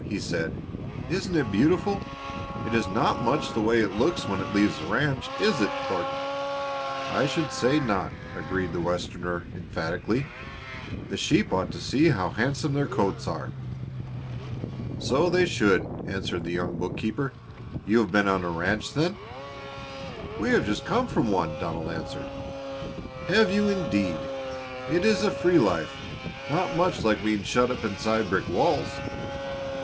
he said. "Isn't it beautiful? It is not much the way it looks when it leaves the ranch, is it, Thornton?" "I should say not," agreed the Westerner emphatically. "The sheep ought to see how handsome their coats are." "So they should!" answered the young bookkeeper. "You have been on a ranch then?" "We have just come from one," Donald answered. "Have you, indeed! It is a free life not much like being shut up inside brick walls."